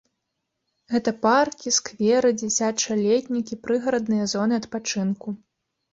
Гэта паркі, скверы, дзіцячыя летнікі, прыгарадныя зоны адпачынку.